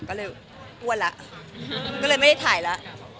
ก็เลยอ้วนละก็เลยไม่ได้ถ่ายละ